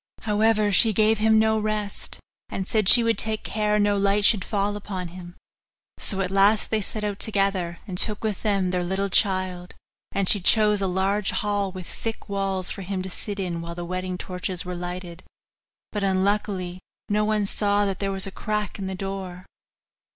However, she gave him no rest, and said she would take care no light should fall upon him. So at last they set out together, and took with them their little child; and she chose a large hall with thick walls for him to sit in while the wedding torches were lighted; but, unluckily, no one saw that there was a crack in the door.